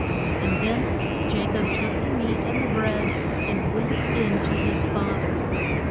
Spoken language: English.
And then Ja cob took the meat and the bread and went in to his fa ther.